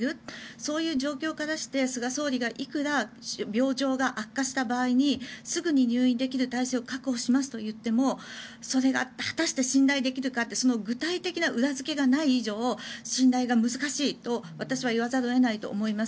そういう状況からして菅総理がいくら病状が悪化した場合にすぐに入院できる体制を確保しますといってもそれが果たして信頼できるかって具体的な裏付けがない以上信頼が難しいと私は言わざるを得ないと思います。